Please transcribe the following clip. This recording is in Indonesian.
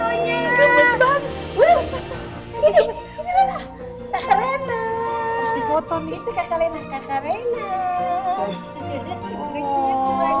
kakak reyna ini ada foto fotonya